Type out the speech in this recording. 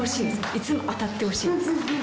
いつも当たってほしいんです。